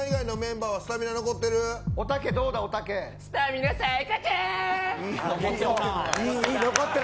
津田以外のメンバーはスタミナ残ってる。